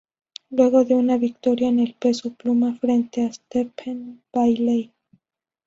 Luego de una victoria en el peso pluma frente a Stephen Bailey.